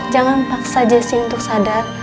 jangan paksa jessi untuk sadar